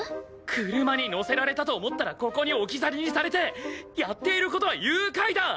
車に乗せられたと思ったらここに置き去りにされてやっている事は誘拐だ！